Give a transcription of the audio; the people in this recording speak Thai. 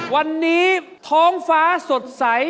วันนี้ท้องฟ้าสดใส